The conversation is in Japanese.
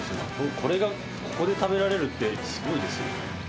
これがここで食べられるって、すごいですよ。